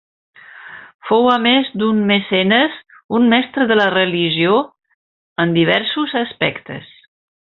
Fou a més d'un mecenes un mestre de la religió en diversos aspectes.